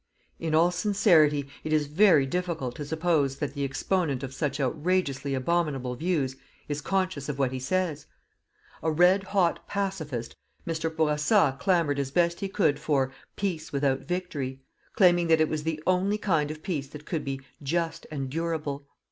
In all sincerity, it is very difficult to suppose that the exponent of such outrageously abominable views is conscious of what he says. A red hot "pacifist," Mr. Bourassa clamoured as best he could for "PEACE WITHOUT VICTORY," claiming that it was _the only kind of peace that could be "just and durable."